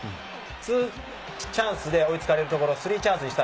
２チャンスで追いつかれるところ、３チャンスにした。